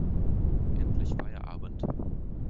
Endlich Feierabend!